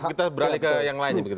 kita beralih ke yang lain begitu